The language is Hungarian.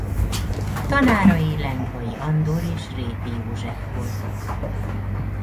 Tanárai Lendvai Andor és Réti József voltak.